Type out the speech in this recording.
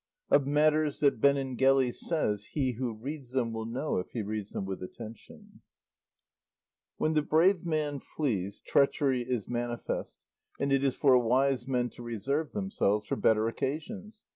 OF MATTERS THAT BENENGELI SAYS HE WHO READS THEM WILL KNOW, IF HE READS THEM WITH ATTENTION When the brave man flees, treachery is manifest and it is for wise men to reserve themselves for better occasions.